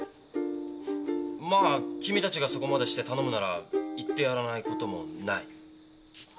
まあ君たちがそこまでして頼むなら行ってやらないこともない。